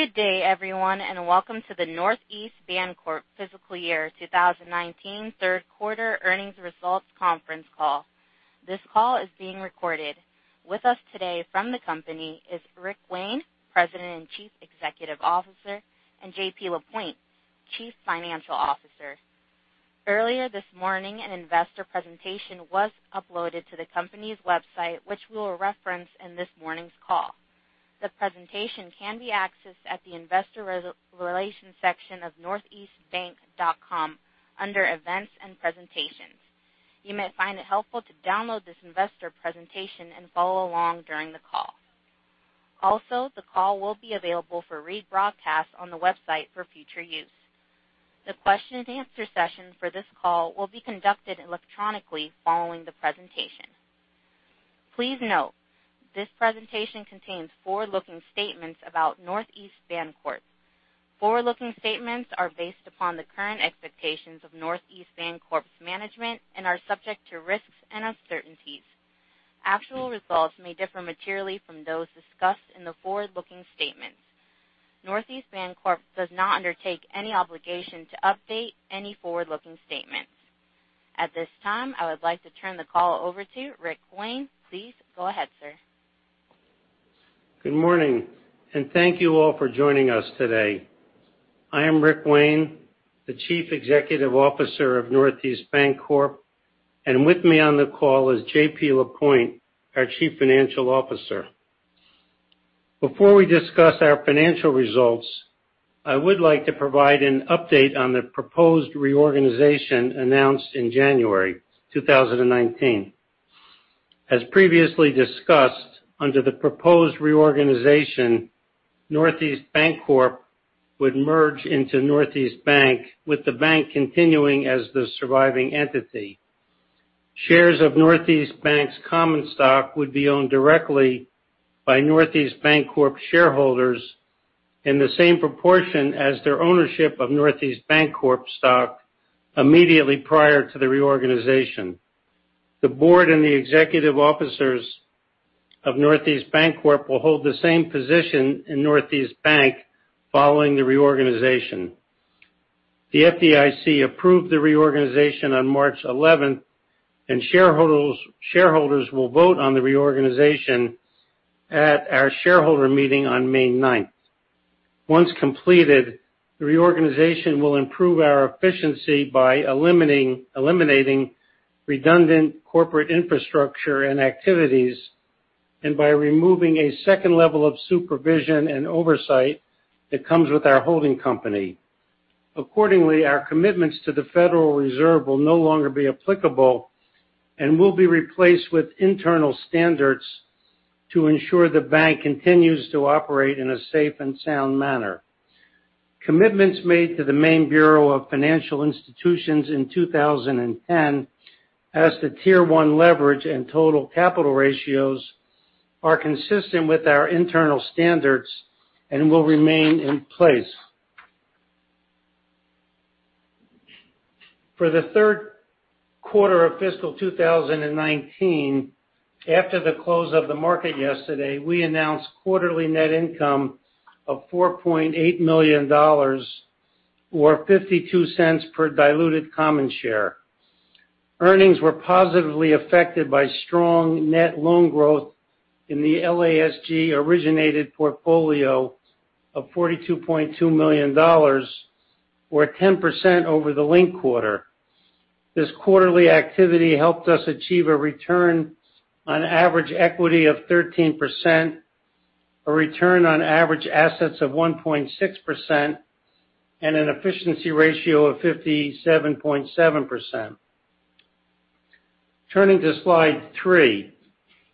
Good day everyone. Welcome to the Northeast Bancorp Fiscal Year 2019 third quarter earnings results conference call. This call is being recorded. With us today from the company is Richard Wayne, President and Chief Executive Officer, and Jean-Pierre Lapointe, Chief Financial Officer. Earlier this morning, an investor presentation was uploaded to the company's website, which we'll reference in this morning's call. The presentation can be accessed at the investor relations section of northeastbank.com under events and presentations. You may find it helpful to download this investor presentation and follow along during the call. Also, the call will be available for rebroadcast on the website for future use. The question and answer session for this call will be conducted electronically following the presentation. Please note, this presentation contains forward-looking statements about Northeast Bancorp. Forward-looking statements are based upon the current expectations of Northeast Bancorp's management and are subject to risks and uncertainties. Actual results may differ materially from those discussed in the forward-looking statements. Northeast Bancorp does not undertake any obligation to update any forward-looking statements. At this time, I would like to turn the call over to Richard Wayne. Please go ahead, sir. Good morning. Thank you all for joining us today. I am Rick Wayne, the Chief Executive Officer of Northeast Bancorp, and with me on the call is J.P. Lapointe, our Chief Financial Officer. Before we discuss our financial results, I would like to provide an update on the proposed reorganization announced in January 2019. As previously discussed, under the proposed reorganization, Northeast Bancorp would merge into Northeast Bank, with the bank continuing as the surviving entity. Shares of Northeast Bank's common stock would be owned directly by Northeast Bancorp shareholders in the same proportion as their ownership of Northeast Bancorp stock immediately prior to the reorganization. The board and the executive officers of Northeast Bancorp will hold the same position in Northeast Bank following the reorganization. The FDIC approved the reorganization on March 11th, and shareholders will vote on the reorganization at our shareholder meeting on May 9th. Once completed, the reorganization will improve our efficiency by eliminating redundant corporate infrastructure and activities, and by removing a second level of supervision and oversight that comes with our holding company. Accordingly, our commitments to the Federal Reserve will no longer be applicable and will be replaced with internal standards to ensure the bank continues to operate in a safe and sound manner. Commitments made to the Maine Bureau of Financial Institutions in 2010 as to Tier 1 leverage and total capital ratios are consistent with our internal standards and will remain in place. For the third quarter of fiscal 2019, after the close of the market yesterday, we announced quarterly net income of $4.8 million, or $0.52 per diluted common share. Earnings were positively affected by strong net loan growth in the LASG-originated portfolio of $42.2 million, or 10% over the linked quarter. This quarterly activity helped us achieve a return on average equity of 13%, a return on average assets of 1.6%, and an efficiency ratio of 57.7%. Turning to slide three.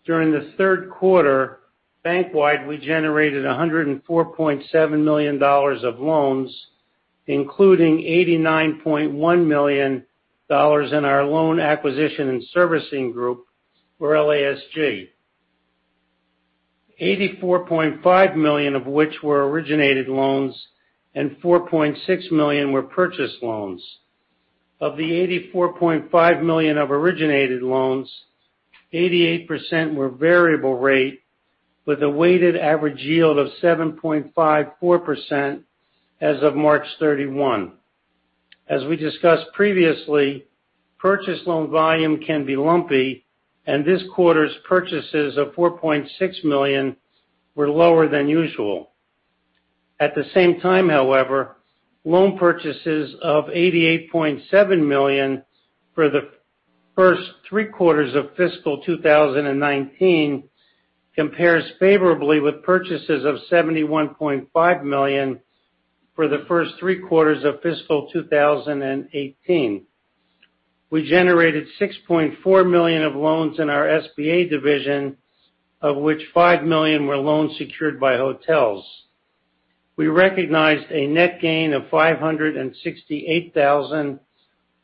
During the third quarter, bank-wide, we generated $104.7 million of loans, including $89.1 million in our Loan Acquisition and Servicing Group, or LASG. $84.5 million of which were originated loans and $4.6 million were purchased loans. Of the $84.5 million of originated loans, 88% were variable rate with a weighted average yield of 7.54% as of March 31. As we discussed previously, purchased loan volume can be lumpy, and this quarter's purchases of $4.6 million were lower than usual. At the same time, however, loan purchases of $88.7 million for the first three quarters of fiscal 2019 compares favorably with purchases of $71.5 million for the first three quarters of fiscal 2018. We generated $6.4 million of loans in our SBA division, of which $5 million were loans secured by hotels. We recognized a net gain of $568,000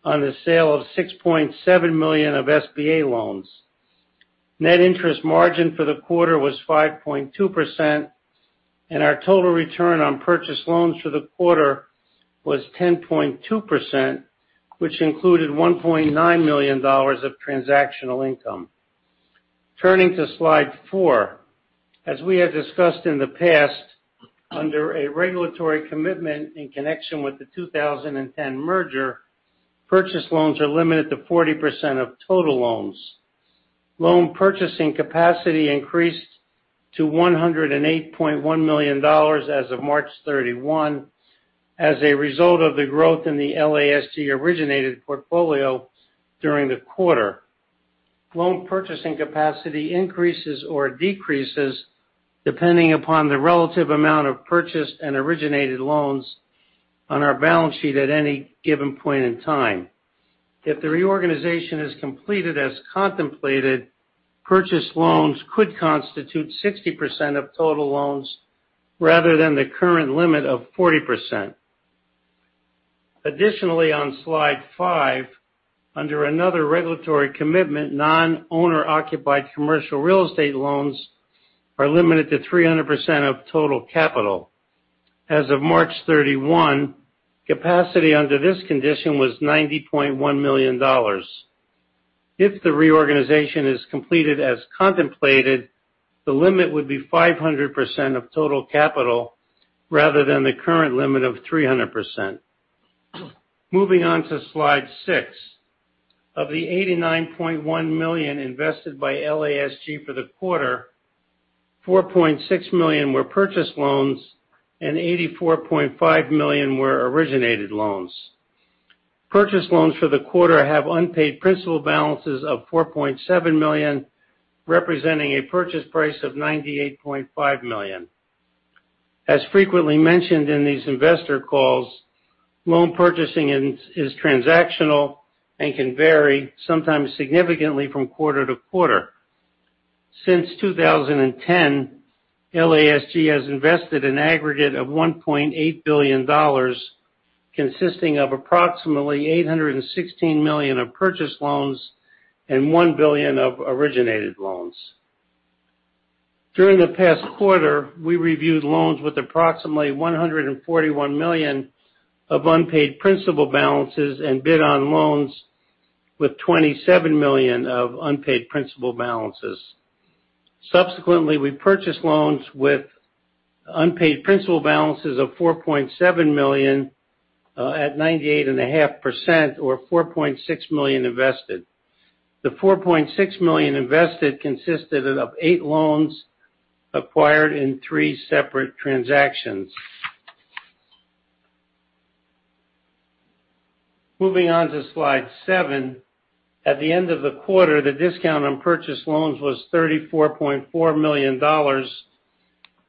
on the sale of $6.7 million of SBA loans. Net interest margin for the quarter was 5.2%, and our total return on purchased loans for the quarter was 10.2%, which included $1.9 million of transactional income. Turning to slide four. As we have discussed in the past, under a regulatory commitment in connection with the 2010 merger, purchase loans are limited to 40% of total loans. Loan purchasing capacity increased to $108.1 million as of March 31, as a result of the growth in the LASG-originated portfolio during the quarter. Loan purchasing capacity increases or decreases depending upon the relative amount of purchased and originated loans on our balance sheet at any given point in time. If the reorganization is completed as contemplated, purchased loans could constitute 60% of total loans, rather than the current limit of 40%. Additionally, on slide five, under another regulatory commitment, non-owner occupied commercial real estate loans are limited to 300% of total capital. As of March 31, capacity under this condition was $90.1 million. If the reorganization is completed as contemplated, the limit would be 500% of total capital rather than the current limit of 300%. Moving on to slide six. Of the $89.1 million invested by LASG for the quarter, $4.6 million were purchase loans and $84.5 million were originated loans. Purchase loans for the quarter have unpaid principal balances of $4.7 million, representing a purchase price of $98.5 million. As frequently mentioned in these investor calls, loan purchasing is transactional and can vary, sometimes significantly, from quarter to quarter. Since 2010, LASG has invested an aggregate of $1.8 billion, consisting of approximately $816 million of purchase loans and $1 billion of originated loans. During the past quarter, we reviewed loans with approximately $141 million of unpaid principal balances and bid on loans with $27 million of unpaid principal balances. Subsequently, we purchased loans with unpaid principal balances of $4.7 million at 98.5%, or $4.6 million invested. The $4.6 million invested consisted of eight loans acquired in three separate transactions. Moving on to slide seven. At the end of the quarter, the discount on purchase loans was $34.4 million,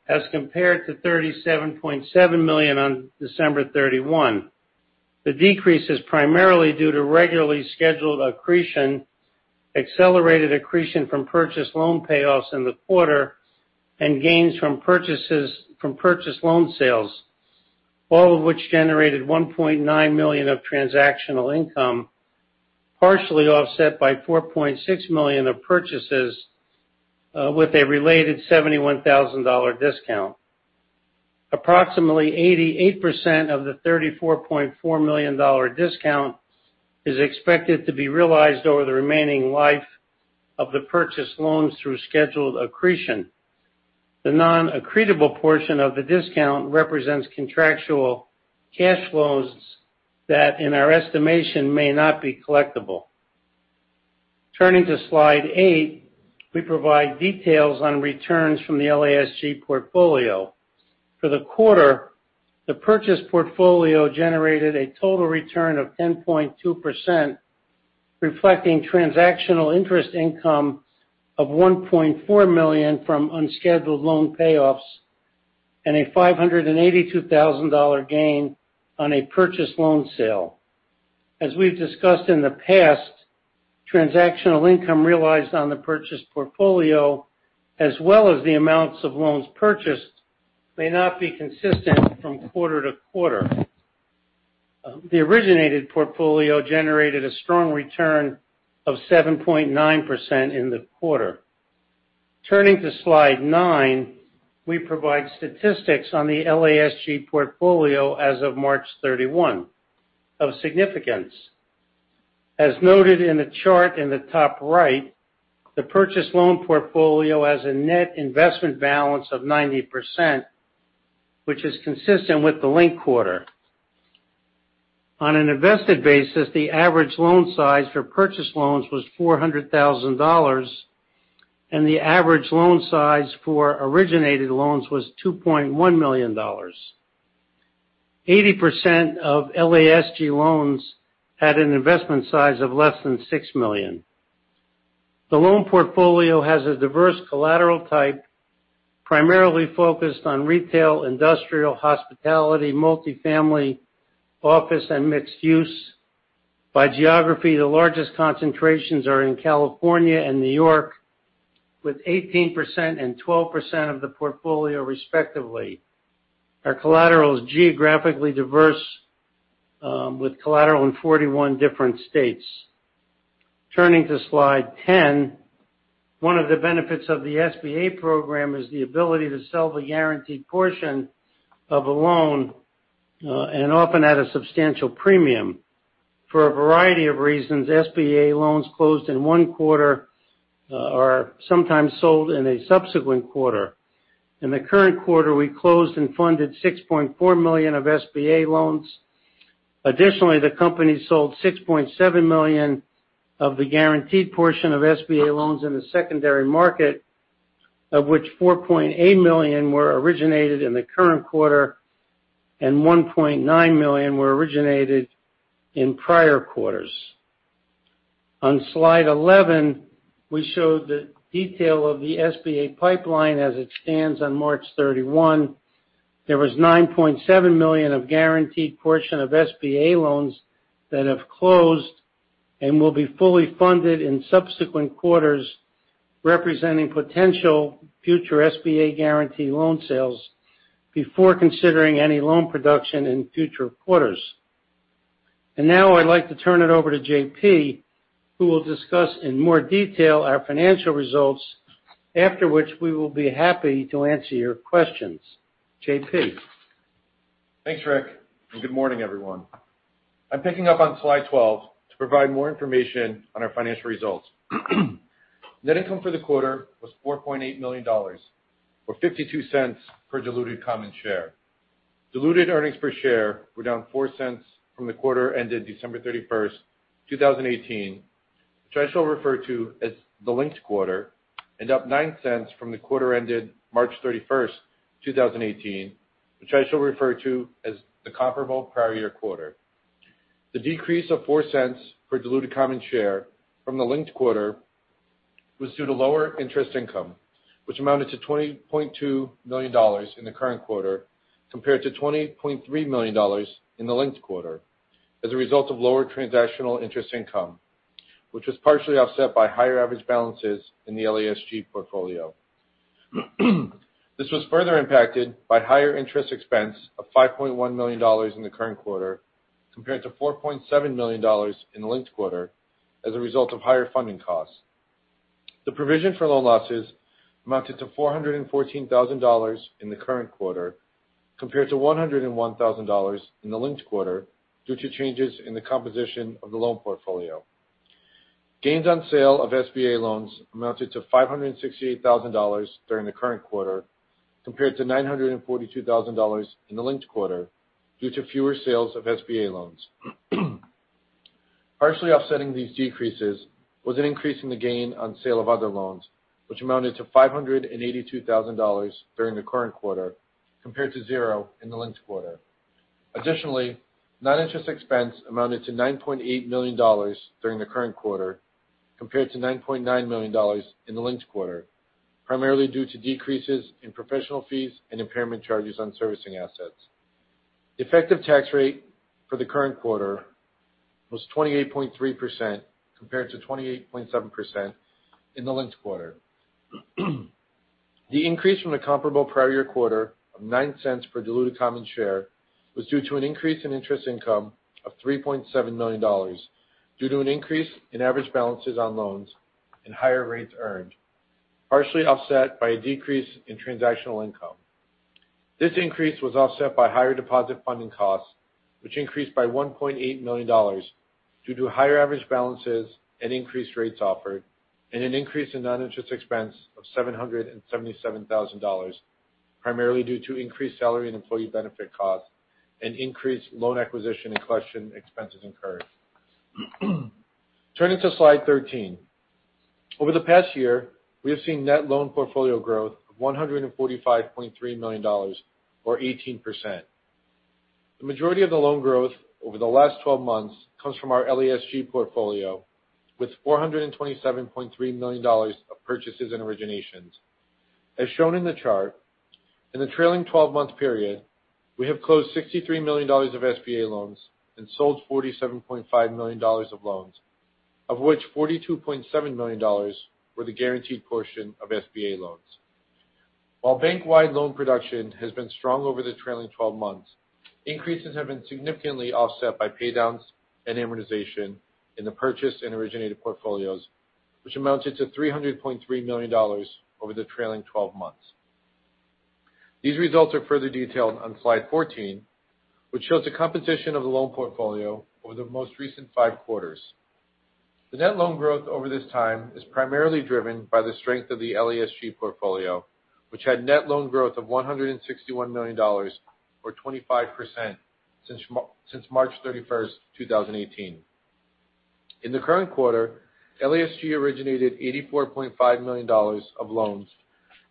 as compared to $37.7 million on December 31. The decrease is primarily due to regularly scheduled accretion, accelerated accretion from purchase loan payoffs in the quarter, and gains from purchase loan sales, all of which generated $1.9 million of transactional income, partially offset by $4.6 million of purchases with a related $71,000 discount. Approximately 88% of the $34.4 million discount is expected to be realized over the remaining life of the purchase loans through scheduled accretion. The non-accretable portion of the discount represents contractual cash flows that, in our estimation, may not be collectible. Turning to slide eight, we provide details on returns from the LASG portfolio. For the quarter, the purchase portfolio generated a total return of 10.2%, reflecting transactional interest income of $1.4 million from unscheduled loan payoffs, and a $582,000 gain on a purchase loan sale. As we've discussed in the past, transactional income realized on the purchase portfolio, as well as the amounts of loans purchased, may not be consistent from quarter to quarter. The originated portfolio generated a strong return of 7.9% in the quarter. Turning to slide nine, we provide statistics on the LASG portfolio as of March 31. Of significance, as noted in the chart in the top right, the purchase loan portfolio has a net investment balance of 90%, which is consistent with the linked quarter. On an invested basis, the average loan size for purchase loans was $400,000, and the average loan size for originated loans was $2.1 million. 80% of LASG loans had an investment size of less than $6 million. The loan portfolio has a diverse collateral type, primarily focused on retail, industrial, hospitality, multifamily, office, and mixed use. By geography, the largest concentrations are in California and New York, with 18% and 12% of the portfolio respectively. Our collateral is geographically diverse, with collateral in 41 different states. Turning to slide 10. One of the benefits of the SBA program is the ability to sell the guaranteed portion of a loan, and often at a substantial premium. For a variety of reasons, SBA loans closed in one quarter are sometimes sold in a subsequent quarter. In the current quarter, we closed and funded $6.4 million of SBA loans. Additionally, the company sold $6.7 million of the guaranteed portion of SBA loans in the secondary market, of which $4.8 million were originated in the current quarter and $1.9 million were originated in prior quarters. On slide 11, we show the detail of the SBA pipeline as it stands on March 31. There was $9.7 million of guaranteed portion of SBA loans that have closed and will be fully funded in subsequent quarters, representing potential future SBA guarantee loan sales before considering any loan production in future quarters. Now I'd like to turn it over to J.P., who will discuss in more detail our financial results. After which, we will be happy to answer your questions. J.P.? Thanks, Rick, and good morning, everyone. I'm picking up on slide 12 to provide more information on our financial results. Net income for the quarter was $4.8 million, or $0.52 per diluted common share. Diluted earnings per share were down $0.04 from the quarter ended December 31st, 2018, which I shall refer to as the linked quarter, and up $0.09 from the quarter ended March 31st, 2018, which I shall refer to as the comparable prior year quarter. The decrease of $0.04 per diluted common share from the linked quarter was due to lower interest income, which amounted to $20.2 million in the current quarter, compared to $20.3 million in the linked quarter as a result of lower transactional interest income, which was partially offset by higher average balances in the LASG portfolio. This was further impacted by higher interest expense of $5.1 million in the current quarter, compared to $4.7 million in the linked quarter as a result of higher funding costs. The provision for loan losses amounted to $414,000 in the current quarter compared to $101,000 in the linked quarter due to changes in the composition of the loan portfolio. Gains on sale of SBA loans amounted to $568,000 during the current quarter compared to $942,000 in the linked quarter due to fewer sales of SBA loans. Partially offsetting these decreases was an increase in the gain on sale of other loans, which amounted to $582,000 during the current quarter, compared to zero in the linked quarter. Additionally, non-interest expense amounted to $9.8 million during the current quarter compared to $9.9 million in the linked quarter, primarily due to decreases in professional fees and impairment charges on servicing assets. The effective tax rate for the current quarter was 28.3%, compared to 28.7% in the linked quarter. The increase from the comparable prior year quarter of $0.09 per diluted common share was due to an increase in interest income of $3.7 million due to an increase in average balances on loans and higher rates earned, partially offset by a decrease in transactional income. This increase was offset by higher deposit funding costs, which increased by $1.8 million due to higher average balances and increased rates offered, and an increase in non-interest expense of $777,000, primarily due to increased salary and employee benefit costs and increased loan acquisition and collection expenses incurred. Turning to slide 13. Over the past year, we have seen net loan portfolio growth of $145.3 million, or 18%. The majority of the loan growth over the last 12 months comes from our LASG portfolio, with $427.3 million of purchases and originations. As shown in the chart, in the trailing 12-month period, we have closed $63 million of SBA loans and sold $47.5 million of loans, of which $42.7 million were the guaranteed portion of SBA loans. While bank-wide loan production has been strong over the trailing 12 months, increases have been significantly offset by paydowns and amortization in the purchase and originated portfolios, which amounted to $300.3 million over the trailing 12 months. These results are further detailed on slide 14, which shows the composition of the loan portfolio over the most recent five quarters. The net loan growth over this time is primarily driven by the strength of the LASG portfolio, which had net loan growth of $161 million, or 25% since March 31st, 2018. In the current quarter, LASG originated $84.5 million of loans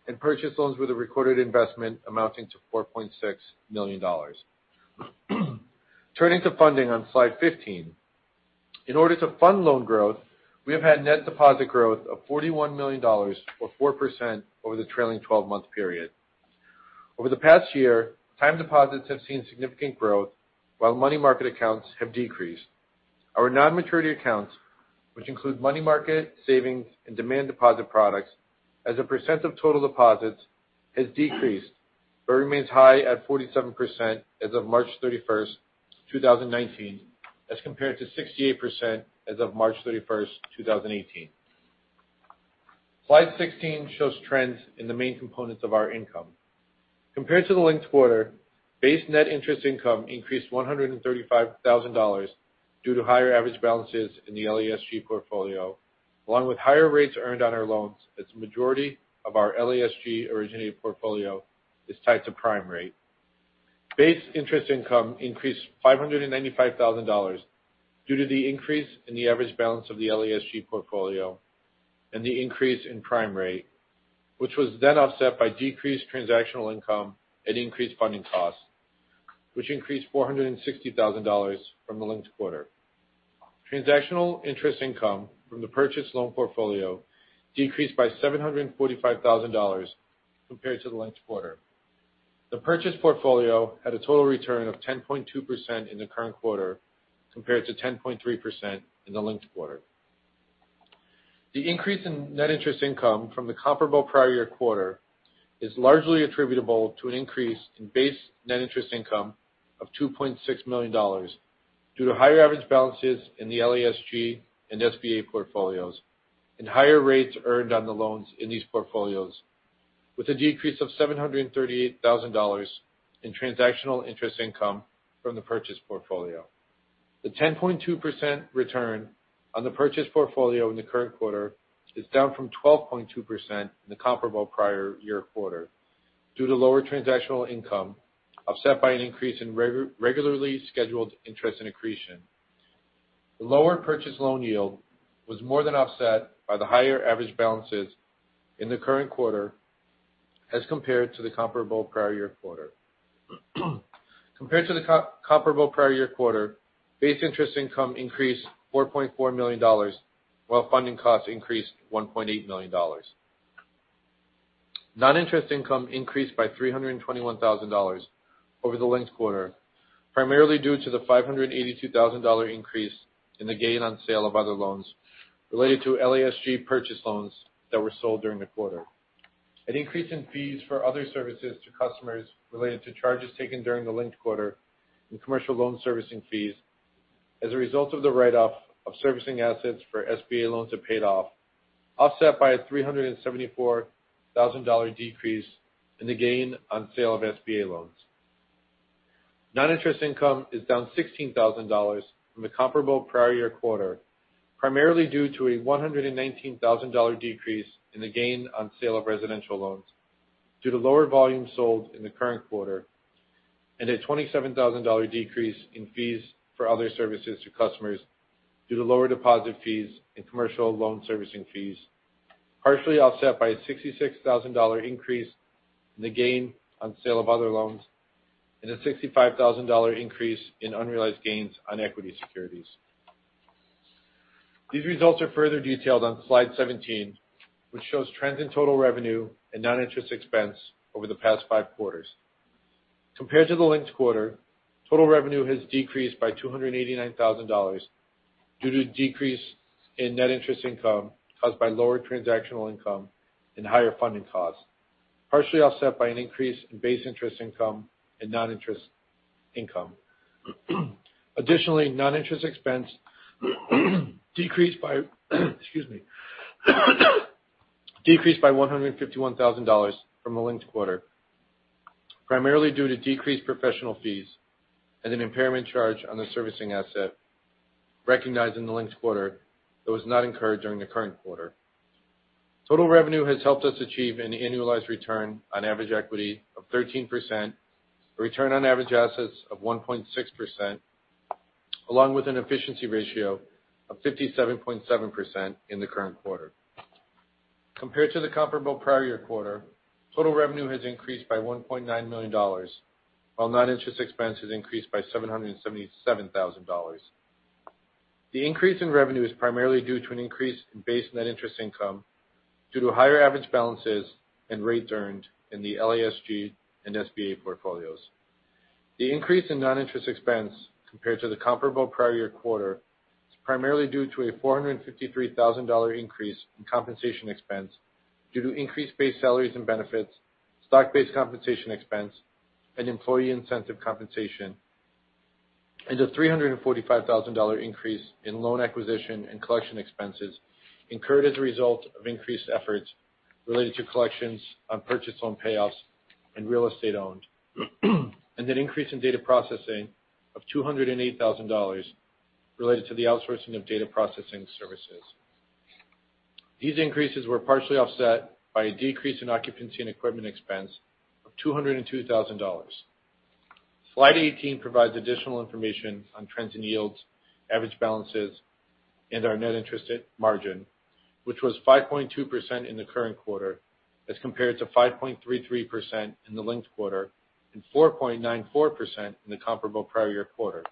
and purchased loans with a recorded investment amounting to $4.6 million. Turning to funding on slide 15. In order to fund loan growth, we have had net deposit growth of $41 million, or 4% over the trailing 12-month period. Over the past year, time deposits have seen significant growth while money market accounts have decreased. Our non-maturity accounts, which include money market, savings, and demand deposit products, as a percent of total deposits has decreased but remains high at 47% as of March 31st, 2019 as compared to 68% as of March 31st, 2018. Slide 16 shows trends in the main components of our income. Compared to the linked quarter, base net interest income increased $135,000 due to higher average balances in the LASG portfolio, along with higher rates earned on our loans as the majority of our LASG originated portfolio is tied to Prime Rate. Base interest income increased $595,000 due to the increase in the average balance of the LASG portfolio and the increase in Prime Rate, which was then offset by decreased transactional income and increased funding costs, which increased $460,000 from the linked quarter. Transactional interest income from the purchased loan portfolio decreased by $745,000 compared to the linked quarter. The purchased portfolio had a total return of 10.2% in the current quarter, compared to 10.3% in the linked quarter. The increase in net interest income from the comparable prior year quarter is largely attributable to an increase in base net interest income of $2.6 million due to higher average balances in the LASG and SBA portfolios, and higher rates earned on the loans in these portfolios, with a decrease of $738,000 in transactional interest income from the purchased portfolio. The 10.2% return on the purchased portfolio in the current quarter is down from 12.2% in the comparable prior year quarter due to lower transactional income offset by an increase in regularly scheduled interest and accretion. The lower purchased loan yield was more than offset by the higher average balances in the current quarter as compared to the comparable prior year quarter. Compared to the comparable prior year quarter, base interest income increased $4.4 million, while funding costs increased $1.8 million. Non-interest income increased by $321,000 over the linked quarter, primarily due to the $582,000 increase in the gain on sale of other loans related to LASG purchased loans that were sold during the quarter. An increase in fees for other services to customers related to charges taken during the linked quarter in commercial loan servicing fees as a result of the write-off of servicing assets for SBA loans that paid off, offset by a $374,000 decrease in the gain on sale of SBA loans. Non-interest income is down $16,000 from the comparable prior year quarter, primarily due to a $119,000 decrease in the gain on sale of residential loans due to lower volume sold in the current quarter and a $27,000 decrease in fees for other services to customers due to lower deposit fees and commercial loan servicing fees, partially offset by a $66,000 increase in the gain on sale of other loans and a $65,000 increase in unrealized gains on equity securities. These results are further detailed on slide 17, which shows trends in total revenue and non-interest expense over the past five quarters. Compared to the linked quarter, total revenue has decreased by $289,000 due to decrease in net interest income caused by lower transactional income and higher funding costs, partially offset by an increase in base interest income and non-interest income. Non-interest expense decreased by $151,000 from the linked quarter, primarily due to decreased professional fees and an impairment charge on the servicing asset recognized in the linked quarter that was not incurred during the current quarter. Total revenue has helped us achieve an annualized return on average equity of 13%, a return on average assets of 1.6%, along with an efficiency ratio of 57.7% in the current quarter. Compared to the comparable prior year quarter, total revenue has increased by $1.9 million, while non-interest expense has increased by $777,000. The increase in revenue is primarily due to an increase in base net interest income due to higher average balances and rates earned in the LASG and SBA portfolios. The increase in non-interest expense compared to the comparable prior year quarter is primarily due to a $453,000 increase in compensation expense due to increased base salaries and benefits, stock-based compensation expense, and employee incentive compensation, a $345,000 increase in loan acquisition and collection expenses incurred as a result of increased efforts related to collections on purchased loan payoffs and real estate owned. An increase in data processing of $208,000 related to the outsourcing of data processing services. These increases were partially offset by a decrease in occupancy and equipment expense of $202,000. Slide 18 provides additional information on trends in yields, average balances, and our net interest margin, which was 5.2% in the current quarter as compared to 5.33% in the linked quarter and 4.94% in the comparable prior year quarter.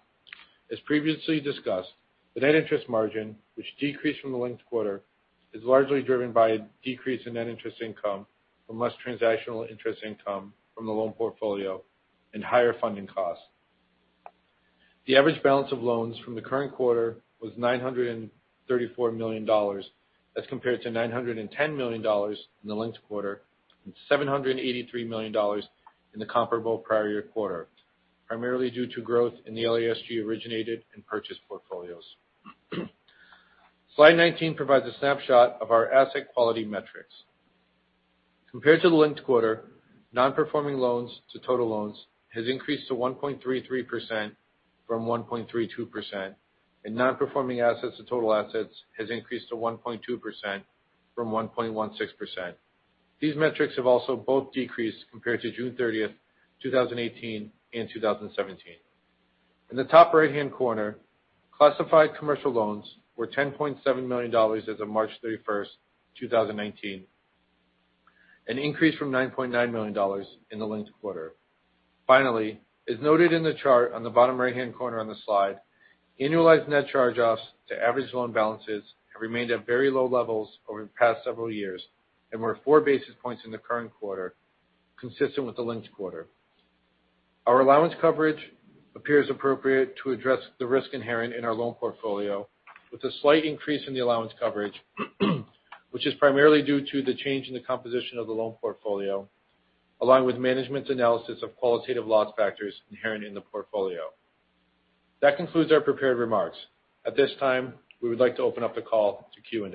As previously discussed, the net interest margin, which decreased from the linked quarter, is largely driven by a decrease in net interest income from less transactional interest income from the loan portfolio and higher funding costs. The average balance of loans from the current quarter was $934 million as compared to $910 million in the linked quarter and $783 million in the comparable prior year quarter. Primarily due to growth in the LASG originated and purchased portfolios. Slide 19 provides a snapshot of our asset quality metrics. Compared to the linked quarter, non-performing loans to total loans has increased to 1.33% from 1.32%, and non-performing assets to total assets has increased to 1.2% from 1.16%. These metrics have also both decreased compared to June 30th, 2018 and 2017. In the top right-hand corner, classified commercial loans were $10.7 million as of March 31st, 2019, an increase from $9.9 million in the linked quarter. Finally, as noted in the chart on the bottom right-hand corner on the slide, annualized net charge-offs to average loan balances have remained at very low levels over the past several years and were four basis points in the current quarter, consistent with the linked quarter. Our allowance coverage appears appropriate to address the risk inherent in our loan portfolio with a slight increase in the allowance coverage, which is primarily due to the change in the composition of the loan portfolio, along with management's analysis of qualitative loss factors inherent in the portfolio. That concludes our prepared remarks. At this time, we would like to open up the call to Q&A.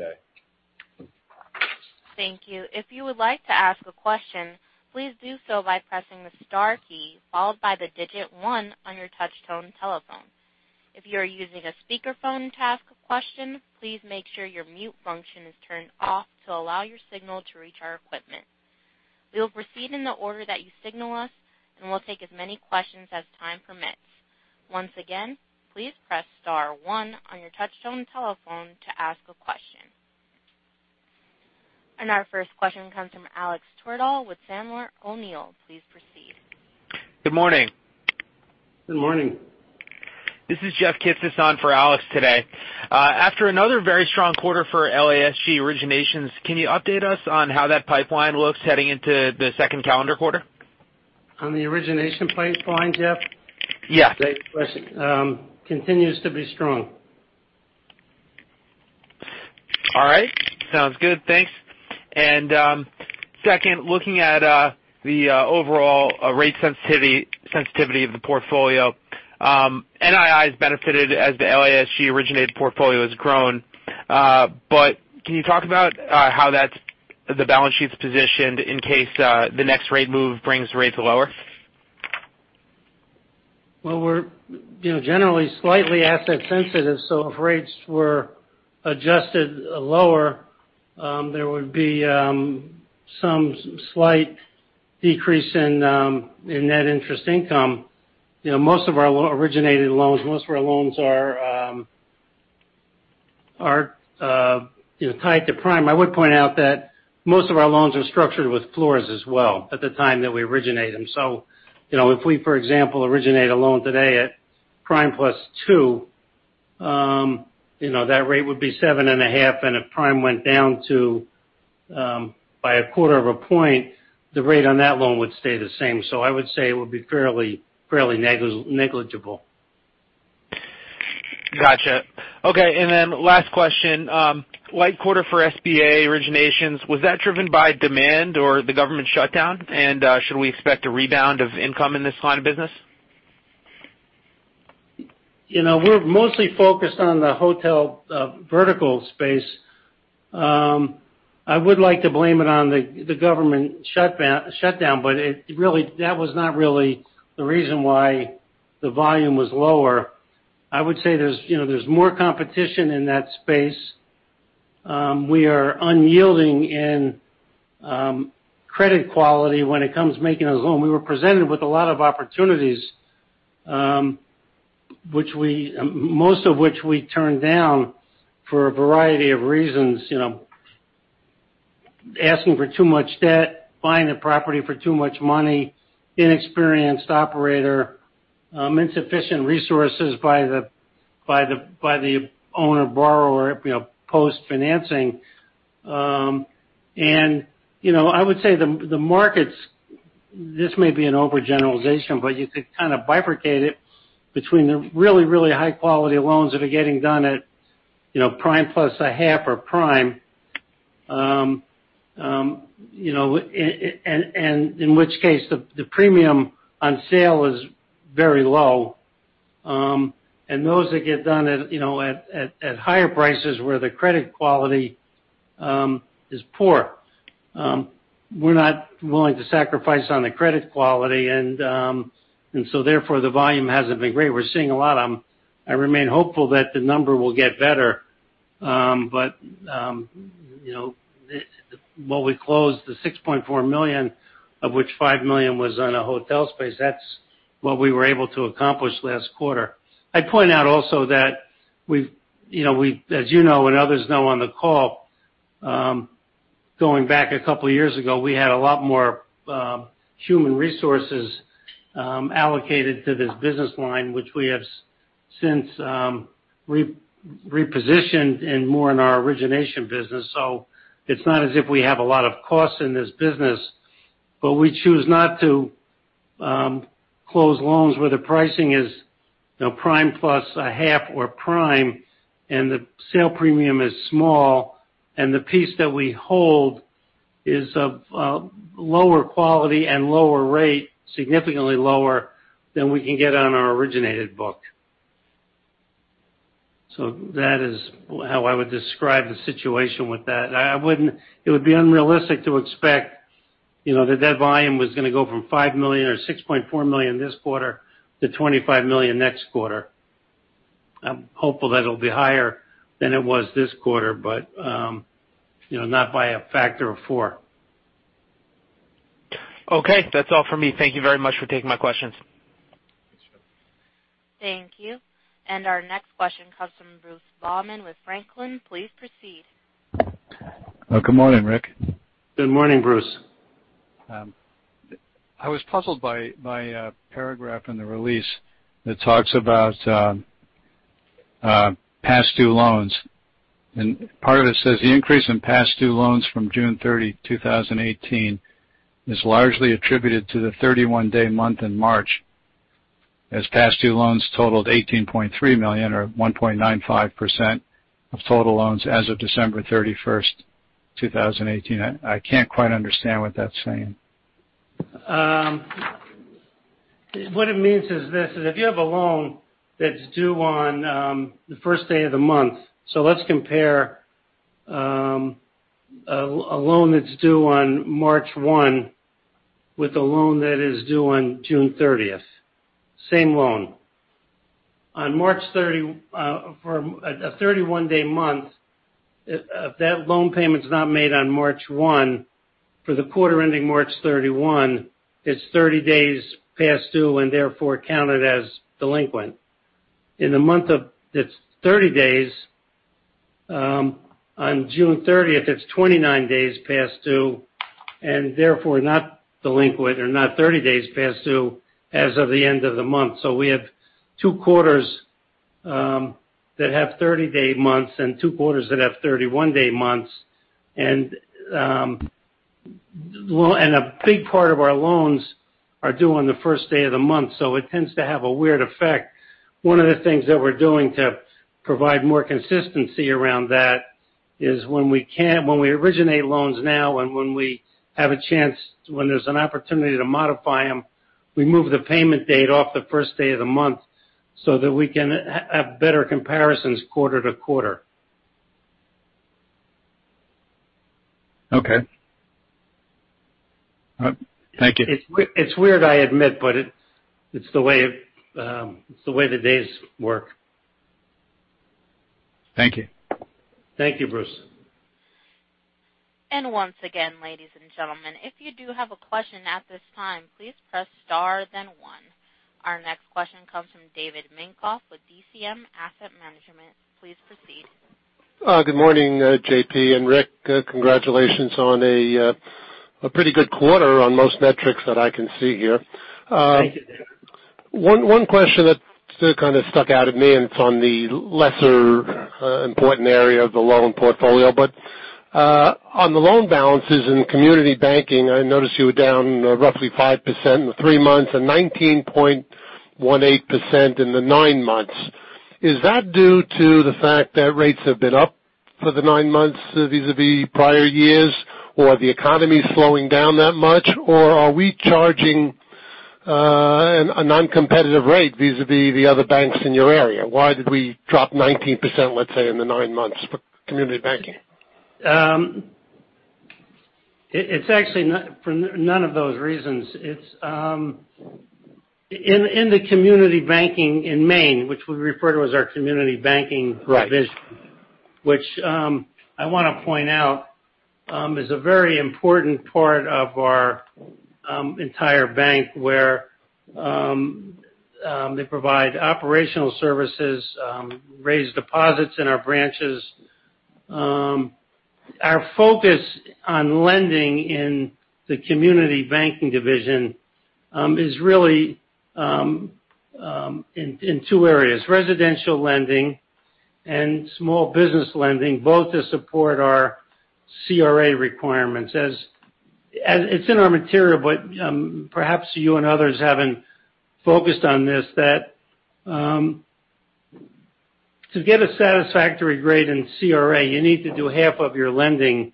Thank you. If you would like to ask a question, please do so by pressing the star key, followed by the digit one on your touch-tone telephone. If you are using a speakerphone to ask a question, please make sure your mute function is turned off to allow your signal to reach our equipment. We will proceed in the order that you signal us, and we'll take as many questions as time permits. Once again, please press star one on your touch-tone telephone to ask a question. Our first question comes from Alex Twerdahl with Sandler O'Neill. Please proceed. Good morning. Good morning. This is Jeffrey Kitsis on for Alex today. After another very strong quarter for LASG originations, can you update us on how that pipeline looks heading into the second calendar quarter? On the origination pipeline, Jeff? Yeah. Great question. Continues to be strong. All right. Sounds good. Thanks. Second, looking at the overall rate sensitivity of the portfolio. NIIs benefited as the LASG originated portfolio has grown. Can you talk about how the balance sheet's positioned in case the next rate move brings rates lower? Well, we're generally slightly asset sensitive, so if rates were adjusted lower, there would be some slight decrease in Net interest income. Most of our originated loans, most of our loans are tied to Prime Rate. I would point out that most of our loans are structured with floors as well at the time that we originate them. If we, for example, originate a loan today at Prime Rate Plus 2, that rate would be 7.5, and if Prime Rate went down by a quarter of a point, the rate on that loan would stay the same. I would say it would be fairly negligible. Got you. Okay. Last question. Light quarter for SBA originations. Was that driven by demand or the government shutdown? Should we expect a rebound of income in this line of business? We're mostly focused on the hotel vertical space. I would like to blame it on the government shutdown, but that was not really the reason why the volume was lower. I would say there's more competition in that space. We are unyielding in credit quality when it comes making a loan. We were presented with a lot of opportunities, most of which we turned down for a variety of reasons. Asking for too much debt, buying the property for too much money, inexperienced operator, insufficient resources by the owner borrower, post-financing. I would say the markets, this may be an overgeneralization, but you could kind of bifurcate it between the really high quality loans that are getting done at Prime Rate Plus a half or Prime Rate, in which case, the premium on sale is very low. Those that get done at higher prices where the credit quality is poor. We're not willing to sacrifice on the credit quality, therefore the volume hasn't been great. We're seeing a lot of them. I remain hopeful that the number will get better. What we closed, the $6.4 million, of which $5 million was on a hotel space, that's what we were able to accomplish last quarter. I'd point out also that, as you know, and others know on the call, going back a couple of years ago, we had a lot more human resources allocated to this business line, which we have since repositioned and more in our origination business. It's not as if we have a lot of costs in this business, but we choose not to close loans where the pricing is Prime Plus a half or Prime and the sale premium is small, and the piece that we hold Is of lower quality and lower rate, significantly lower than we can get on our originated book. That is how I would describe the situation with that. It would be unrealistic to expect that volume was going to go from $5 million or $6.4 million this quarter to $25 million next quarter. I'm hopeful that it'll be higher than it was this quarter, but not by a factor of four. Okay. That's all for me. Thank you very much for taking my questions. Thank you. Our next question comes from Bruce Baughman with Franklin. Please proceed. Good morning, Rick. Good morning, Bruce. I was puzzled by a paragraph in the release that talks about past due loans. Part of it says, "The increase in past due loans from June 30, 2018 is largely attributed to the 31-day month in March as past due loans totaled $18.3 million or 1.95% of total loans as of December 31, 2018." I can't quite understand what that's saying. What it means is this, if you have a loan that's due on the first day of the month. Let's compare a loan that's due on March 1 with a loan that is due on June 30th. Same loan. For a 31-day month, if that loan payment's not made on March 1, for the quarter ending March 31, it's 30 days past due and therefore counted as delinquent. In the month that's 30 days on June 30th, it's 29 days past due and therefore not delinquent or not 30 days past due as of the end of the month. We have two quarters that have 30-day months and two quarters that have 31-day months. A big part of our loans are due on the first day of the month, so it tends to have a weird effect. One of the things that we're doing to provide more consistency around that is when we originate loans now and when we have a chance, when there's an opportunity to modify them, we move the payment date off the first day of the month so that we can have better comparisons quarter to quarter. Okay. Thank you. It's weird, I admit, but it's the way the days work. Thank you. Thank you, Bruce. Once again, ladies and gentlemen, if you do have a question at this time, please press star then one. Our next question comes from David Minkoff with DCM Asset Management. Please proceed. Good morning, J.P. and Rick. Congratulations on a pretty good quarter on most metrics that I can see here. Thank you, David. One question that kind of stuck out at me, it's on the lesser important area of the loan portfolio. On the loan balances in community banking, I noticed you were down roughly 5% in the three months and 19.18% in the nine months. Is that due to the fact that rates have been up for the nine months vis-à-vis prior years or the economy is slowing down that much? Are we charging a non-competitive rate vis-à-vis the other banks in your area? Why did we drop 19%, let's say, in the nine months for community banking? It's actually for none of those reasons. In the community banking in Maine, which we refer to as our Community Banking Division. Right It is a very important part of our entire bank where they provide operational services, raise deposits in our branches. Our focus on lending in the Community Banking Division is really in two areas, residential lending and small business lending, both to support our CRA requirements. It's in our material, perhaps you and others haven't focused on this, that to get a satisfactory grade in CRA, you need to do half of your lending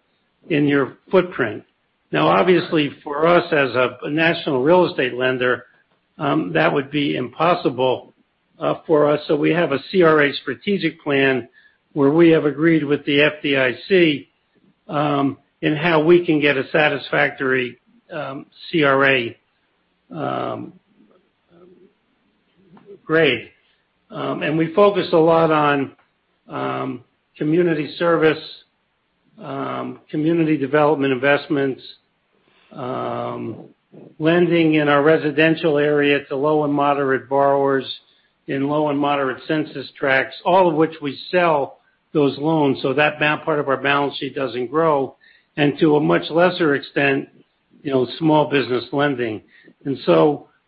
in your footprint. Now, obviously for us as a national real estate lender, that would be impossible for us. We have a CRA strategic plan where we have agreed with the FDIC in how we can get a satisfactory CRA grade. We focus a lot on community service, community development investments, lending in our residential area to low and moderate borrowers in low and moderate census tracts. All of which we sell those loans, so that part of our balance sheet doesn't grow. To a much lesser extent, small business lending.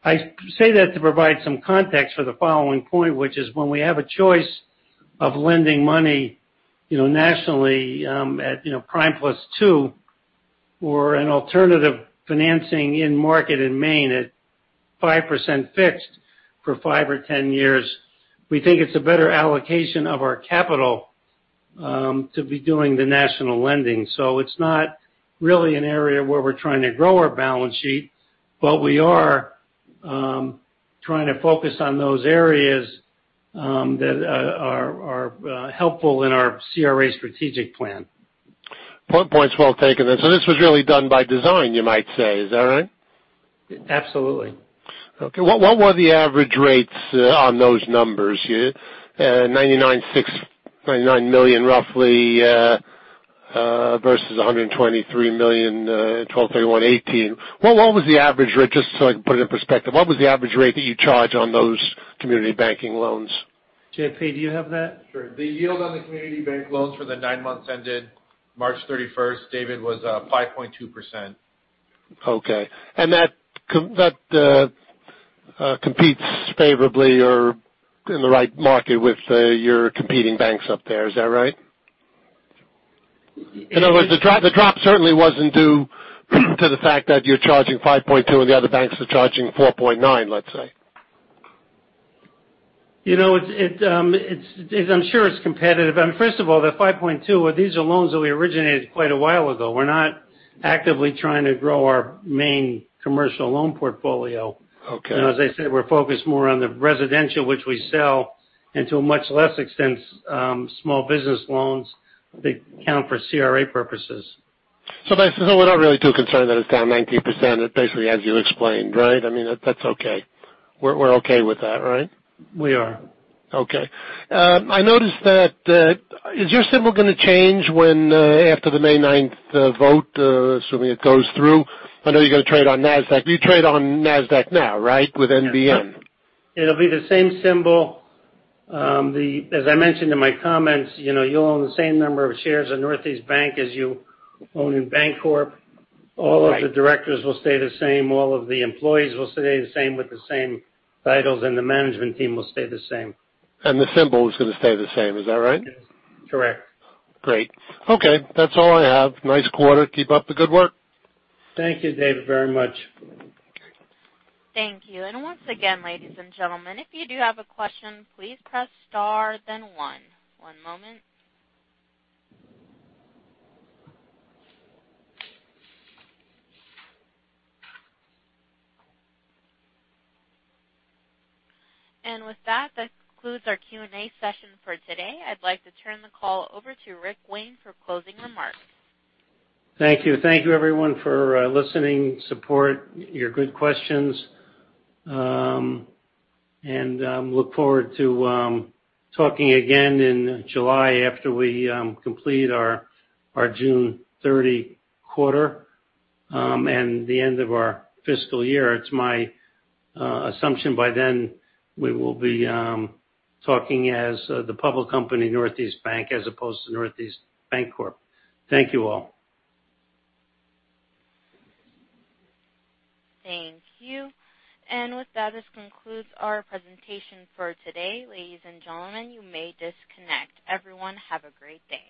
I say that to provide some context for the following point, which is when we have a choice of lending money nationally at Prime Rate plus two or an alternative financing in market in Maine at 5% fixed for five or 10 years. We think it's a better allocation of our capital to be doing the national lending. It's not really an area where we're trying to grow our balance sheet, but we are trying to focus on those areas that are helpful in our CRA strategic plan. Point well taken then. This was really done by design, you might say. Is that right? Absolutely. Okay, what were the average rates on those numbers? $99 million roughly versus $123 million, 12/31/2018. What was the average rate, just so I can put it in perspective, what was the average rate that you charge on those community banking loans? JP, do you have that? Sure. The yield on the community bank loans for the nine months ended March 31st, David, was 5.2%. Okay. That competes favorably or in the right market with your competing banks up there, is that right? In other words, the drop certainly wasn't due to the fact that you're charging 5.2% and the other banks are charging 4.9%, let's say. I'm sure it's competitive. First of all, the 5.2%, these are loans that we originated quite a while ago. We're not actively trying to grow our main commercial loan portfolio. Okay. As I said, we're focused more on the residential, which we sell, and to a much less extent, small business loans that count for CRA purposes. Basically, we're not really too concerned that it's down 19%, basically as you explained, right? I mean, that's okay. We're okay with that, right? We are. Okay. I noticed is your symbol going to change after the May 9th vote, assuming it goes through? I know you're going to trade on NASDAQ. You trade on NASDAQ now, right, with NBN? It'll be the same symbol. As I mentioned in my comments, you'll own the same number of shares in Northeast Bank as you own in Bancorp. All of the directors will stay the same, all of the employees will stay the same with the same titles, and the management team will stay the same. The symbol is going to stay the same. Is that right? Correct. Great. Okay. That's all I have. Nice quarter. Keep up the good work. Thank you, David, very much. Okay. Thank you. Once again, ladies and gentlemen, if you do have a question, please press star then one. One moment. With that concludes our Q&A session for today. I'd like to turn the call over to Richard Wayne for closing remarks. Thank you. Thank you everyone for listening, support, your good questions, and look forward to talking again in July after we complete our June 30 quarter, and the end of our fiscal year. It's my assumption by then we will be talking as the public company, Northeast Bank, as opposed to Northeast Bancorp. Thank you all. Thank you. With that, this concludes our presentation for today. Ladies and gentlemen, you may disconnect. Everyone have a great day.